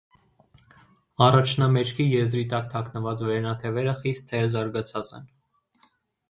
Առաջնամեջքի եզրի տակ թաքնված վերնաթևերը խիստ թերզարգացած են։